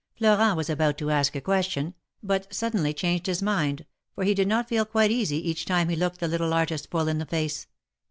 Florent was about to ask a question, but suddenly changed his mind, for he did not feel quite easy each time he looked the little artist full in the face.